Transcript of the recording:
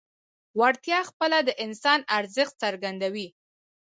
وړتیا خپله د انسان ارزښت څرګندوي.